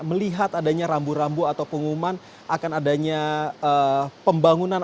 melihat adanya rambu rambu atau pengumuman akan adanya pembangunan